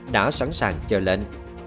đã sẵn sàng chờ lên